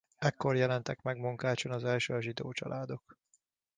Ekkor jelentek meg Munkácson az első zsidó családok.